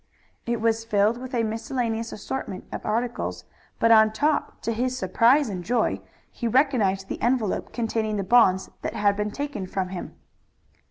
It was filled with a miscellaneous assortment of articles, but on top to his surprise and joy he recognized the envelope containing the bonds that had been taken from him.